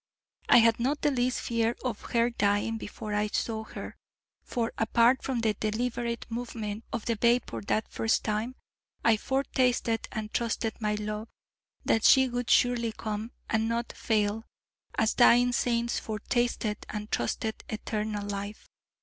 I had not the least fear of her dying before I saw her: for, apart from the deliberate movement of the vapour that first time, I fore tasted and trusted my love, that she would surely come, and not fail: as dying saints fore tasted and trusted Eternal Life.